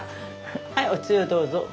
はいおつゆどうぞ。